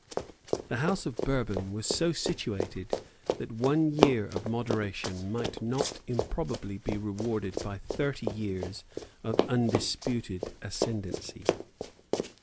The House of Bourbon was so situated that one year of moderation might not improbably be rewarded by thirty years of undisputed ascendency.